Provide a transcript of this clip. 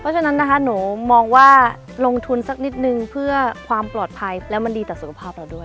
เพราะฉะนั้นนะคะหนูมองว่าลงทุนสักนิดนึงเพื่อความปลอดภัยแล้วมันดีต่อสุขภาพเราด้วย